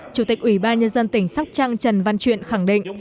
chủ tịch ủy ban nhân dân tỉnh sóc trăng trần văn chuyện khẳng định